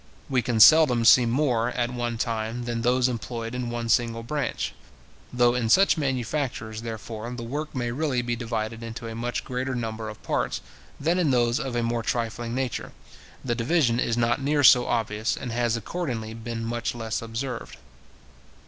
We can seldom see more, at one time, than those employed in one single branch. Though in such manufactures, therefore, the work may really be divided into a much greater number of parts, than in those of a more trifling nature, the division is not near so obvious, and has accordingly been much less observed.